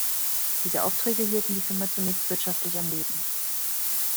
Diese Aufträge hielten die Firma zunächst wirtschaftlich am Leben.